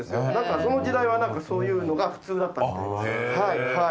その時代はそういうのが普通だったと。